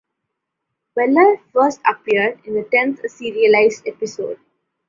Weller first appeared in the tenth serialised episode.